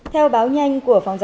theo báo nhanh của phóng viện